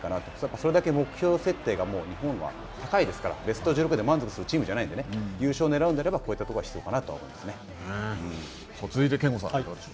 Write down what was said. それだけ目標設定が日本は高いですから、ベスト１６で満足するチームじゃないので、優勝をねらうんであれば、こうい続いて憲剛さん、いかがでしょ